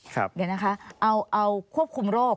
เดี๋ยวนะคะเอาควบคุมโรค